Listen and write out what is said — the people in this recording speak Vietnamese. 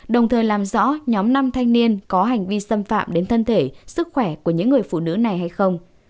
đồng thời làm rõ nhóm năm thanh niên có hành vi xâm phạm đến thân thể sức khỏe của những người phụ nữ này hay không